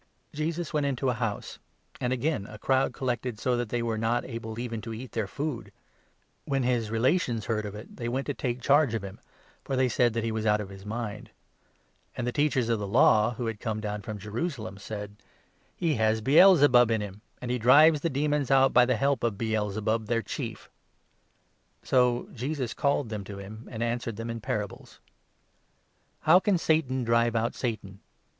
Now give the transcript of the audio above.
Jesus went into a house ; and again a crowd 20 and his collected, so that they were not able even to eat Relations, their food. When his relations heard of it, they 21 went to take charge of him, for they said that he was out of .his mind. And the Teachers of the Law, who 22 JOHUS accused i r i j of Acting had come down from Jerusalem, said : by the Help "He has Baal zebub in him, and he drives of Satan. ^& <jemons out j,y the he\p of Baal zebub, their chief." So Jesus called them to him, and answered them in parables : 23 "How can Satan drive out Satan?